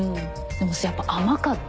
でもやっぱ甘かったちょっと。